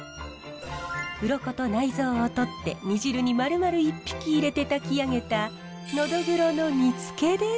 うろこと内臓をとって煮汁にまるまる一匹入れてたき上げたノドグロの煮つけです。